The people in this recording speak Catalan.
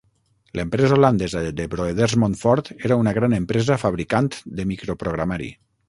L'empresa holandesa De Broeders Montfort era una gran empresa fabricant de microprogramari.